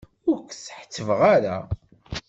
Ur k-tt-ḥettbeɣ ara.